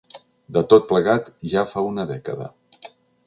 De tot plegat ja fa una dècada.